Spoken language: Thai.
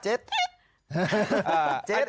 เจ็ดติ๊ด